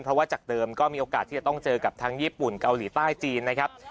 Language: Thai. เพราะว่าจากเดิมก็มีโอกาสที่จะต้องเจอกับทั้งญี่ปุ่นเกาหลีใต้จีนนะครับ